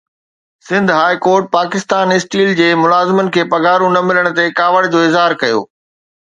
Sindh high court Pakistan steel جي ملازمن کي پگهارون نه ملڻ تي ڪاوڙ جو اظهار ڪيو